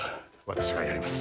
私がやります